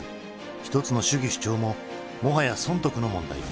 一つの主義主張ももはや損得の問題に。